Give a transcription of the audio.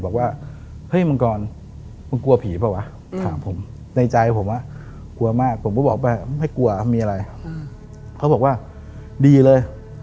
บอกว่าเฮ้มังกรมันกลัวผีเปล่าวะถามผมในใจผมอ่ะปลอบว่าไม่กลัวมีอะไรเขาบอกว่าดีเลย